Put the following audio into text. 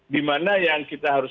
di mana yang kita harus